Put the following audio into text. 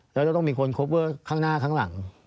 แล้วจะต้องมีคนโคเวอร์ข้างหน้าข้างหลัง